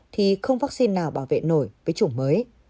thì không vaccine nào bảo vệ nổi với chủng mới